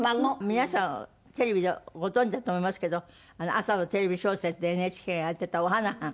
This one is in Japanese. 皆さんテレビでご存じだと思いますけど朝のテレビ小説でＮＨＫがやってた『おはなはん』。